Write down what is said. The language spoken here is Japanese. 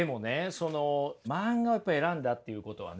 その漫画をやっぱ選んだっていうことはね